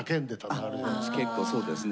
あっ結構そうですね